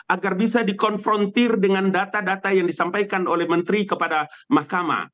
agar bisa dikonfrontir dengan data data yang disampaikan oleh menteri kepada mahkamah